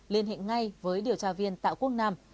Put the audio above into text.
liên hệ ngay với điều tra viên tạ quốc nam